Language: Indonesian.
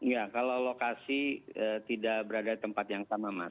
ya kalau lokasi tidak berada di tempat yang sama mas